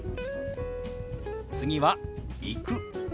次は「行く」。